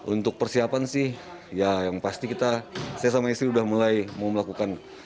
untuk persiapan sih ya yang pasti kita saya sama istri udah mulai mau melakukan